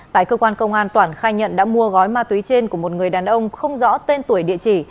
tại cơ quan công an toản khai nhận đã mua gói ma túy trên của một người đàn ông không rõ tên tuổi địa chỉ